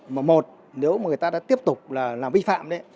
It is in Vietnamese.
mà một nếu mà người ta đã tiếp tục là vi phạm đấy